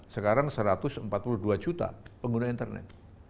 sekarang satu ratus empat puluh dua juta pengguna internet